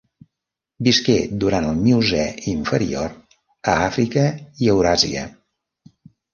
Visqué durant el Miocè inferior a Àfrica i Euràsia.